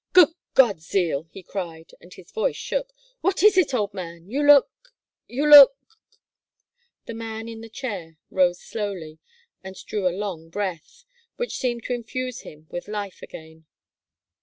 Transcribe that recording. "Good God, Zeal!" he cried, and his voice shook. "What is it, old man? You look you look " The man in the chair rose slowly and drew a long breath, which seemed to infuse him with life again.